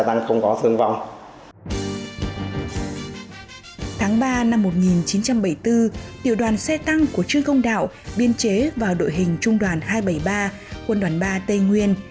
tiểu đoàn xe tăng của trương công đạo biên chế vào đội hình trung đoàn hai trăm bảy mươi ba quân đoàn ba tây nguyên